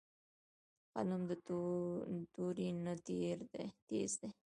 قلم د تورې نه تېز دی